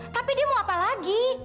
tapi dia mau apa lagi